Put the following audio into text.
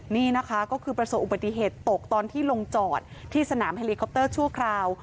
นี่นะคะก็คือประสบอุบัติเหตุตกตอนที่ลงจอดที่สนามเฮลิคอปเตอร์ชั่วคราว